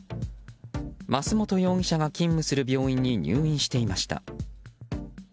増本容疑者が勤務する病院に入院していました。